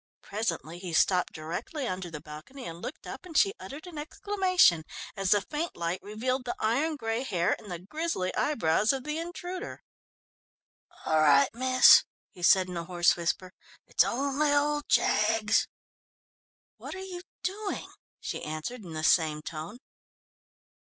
Presently he stopped directly under the balcony and looked up and she uttered an exclamation, as the faint light revealed the iron grey hair and the grisly eyebrows of the intruder. "All right, miss," he said in a hoarse whisper, "it's only old Jaggs." "What are you doing?" she answered in the same tone.